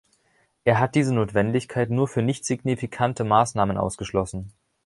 Er hat diese Notwendigkeit nur für nichtsignifikante Maßnahmen ausgeschlossen.